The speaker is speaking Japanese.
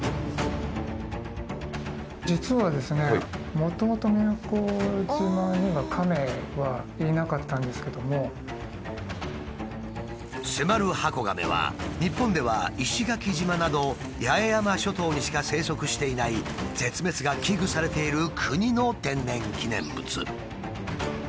もともとセマルハコガメは日本では石垣島など八重山諸島にしか生息していない絶滅が危惧されている国の天然記念物。